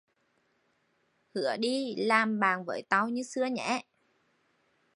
hứa đi làm bạn với tao như xưa nhé